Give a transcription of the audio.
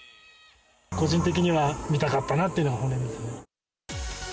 個人的には見たかったなというのが本音ですね。